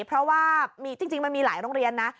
เพราะว่าจริงมันมีหลายโรงเรียนนะ